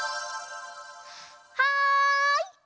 はい！